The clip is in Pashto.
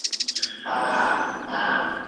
موږ تبعید شوي کلیمیان یو له سپېڅلې خاورې